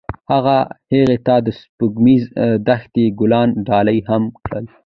هغه هغې ته د سپوږمیز دښته ګلان ډالۍ هم کړل.